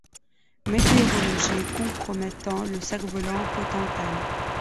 Météorologie compromettant le serf-volant pote antenne.